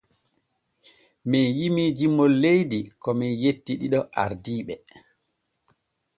Men jimii jimol leydi ko men jetti ɗiɗo ardiiɓe.